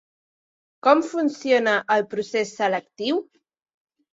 Com funciona el procés selectiu?